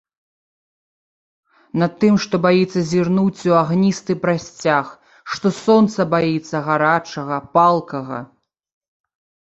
Над тым, што баіцца зірнуць у агністы прасцяг, што сонца баіцца гарачага, палкага.